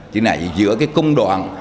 chứ này giữa cái cung đoạn